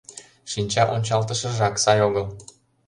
Шинча ончалтышыжак сай огыл.